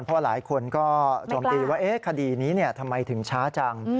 เพราะหลายคนก็โจมตีว่าคดีนี้ทำไมถึงช้าจัง